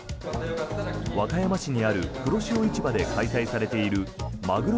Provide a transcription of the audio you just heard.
和歌山市にある黒潮市場で開催されているマグロ